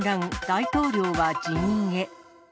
大統領は辞任へ。